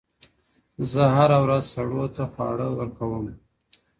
زه هره ورځ سړو ته خواړه ورکوم!؟